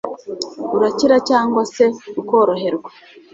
urakira cyangwa se ukoroherwa.